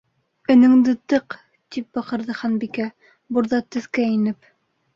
—Өнөңдө тыҡ! —тип баҡырҙы Ханбикә, бурҙат төҫкә инеп.